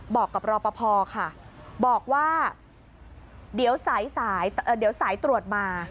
บอกกับรอปภค่ะบอกว่าเดี๋ยวสายตรวจมา